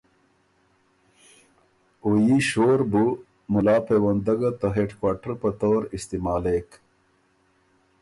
او يي شور بُو ملا پېونده ګۀ ته هیډکوارټر په طور استعمالېک